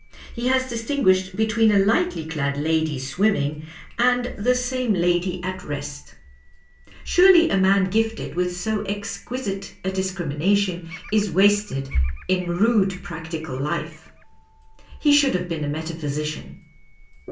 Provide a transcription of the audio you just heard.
He has distinguished between a lightly clad lady swimming and the same lady at rest, p.p. 65 ' PASTICHE AND PREJUDICE Surely u man gifted with so exquisite a discrimina tion is wasted in rude practical life. He should have been a metaphysician."